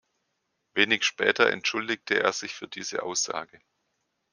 Wenig später entschuldigte er sich für diese Aussage.